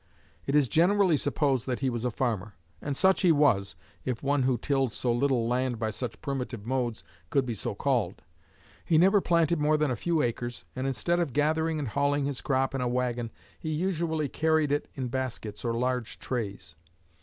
It is generally supposed that he was a farmer; and such he was, if one who tilled so little land by such primitive modes could be so called. He never planted more than a few acres, and instead of gathering and hauling his crop in a wagon he usually carried it in baskets or large trays.